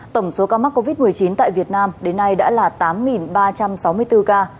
tổng số ca mắc covid một mươi chín tại việt nam đến nay đã là tám ba trăm sáu mươi bốn ca